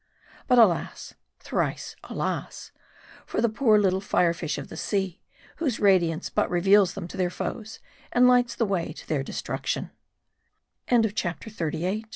But alas, thrice alas, for the poor little fire fish of the sea, whose radiance but reveals them to their foes, and lights the way to their destr